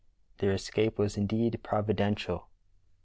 Their escape was indeed providential.